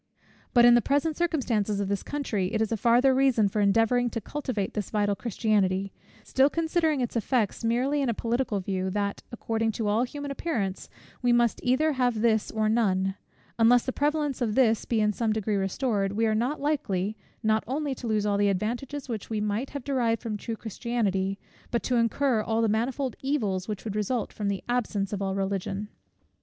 But in the present circumstances of this country, it is a farther reason for endeavouring to cultivate this vital Christianity, still considering its effects merely in a political view, that, according to all human appearance, we must either have this or none: unless the prevalence of this be in some degree restored, we are likely, not only to lose all the advantages which we might have derived from true Christianity, but to incur all the manifold evils which would result from the absence of all religion.